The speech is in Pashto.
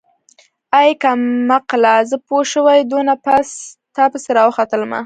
ای کمقله زه پوشوې دونه پاس تاپسې راوختلمه.